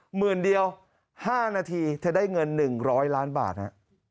หมื่นเดียวห้านาทีเธอได้เงินหนึ่งร้อยล้านบาทฮะ